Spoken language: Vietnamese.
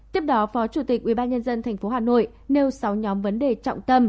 tiếp đó phó chủ tịch ubnd tp hà nội nêu sáu nhóm vấn đề trọng tâm